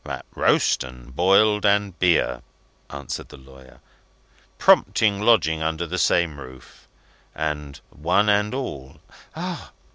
"At roast, and boiled, and beer," answered the lawyer, "prompting lodging under the same roof and one and all " "Ah!